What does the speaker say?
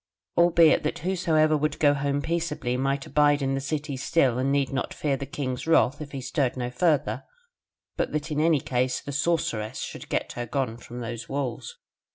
Albeit that whosoever would go home peaceably might abide in the city still and need not fear the king's wrath if he stirred no further: but that in any case the Sorceress should get her gone from those walls.